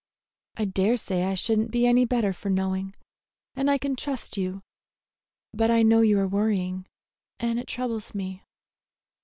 "I dare say I should n't be any better for knowing, and I can trust you; but I know you are worrying, and it troubles me."